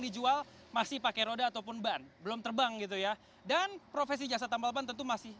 dijual masih pakai roda ataupun ban belum terbang gitu ya dan profesi jasa tambal ban tentu masih